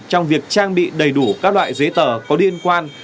trong việc trang bị đầy đủ các loại giấy tờ có liên quan